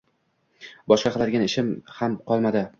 — Boshqa qiladigan ishim ham qolmadi.